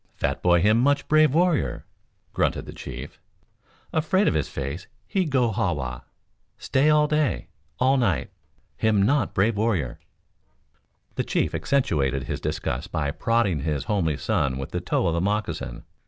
Fat boy him much brave warrior," grunted the chief. "Afraid Of His Face he go ha wa. Stay all day, all night. Him not brave warrior." The chief accentuated his disgust by prodding his homely son with the toe of a moccasin.